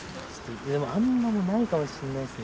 でもあんまりないかもしんないですね。